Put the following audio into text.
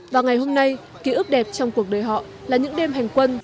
và ngày hôm nay ký ức đẹp trong cuộc đời họ là những đêm hành quân